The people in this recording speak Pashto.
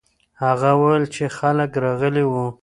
هغه وویل چې خلک راغلي وو.